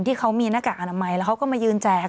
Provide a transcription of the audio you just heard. ที่เขามีหน้ากากอนามัยแล้วเขาก็มายืนแจก